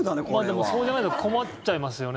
でも、そうじゃないと困っちゃいますよね。